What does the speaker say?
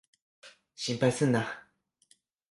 心配すんな。